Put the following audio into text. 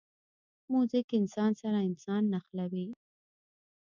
موزیک انسان سره انسان نښلوي.